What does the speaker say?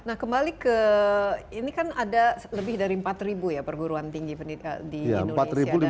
nah kembali ke ini kan ada lebih dari empat ribu ya perguruan tinggi di indonesia